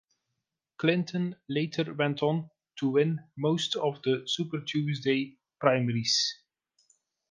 Clinton later went on to win most of the Super Tuesday primaries.